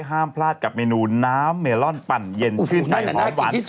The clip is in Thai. ห้ามพลาดกับเมนูน้ำเมลอนปั่นเย็นชื่นใจหอมหวาน